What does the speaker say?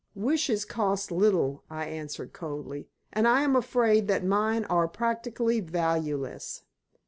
"Wishes cost little," I answered, coldly, "and I am afraid that mine are practically valueless.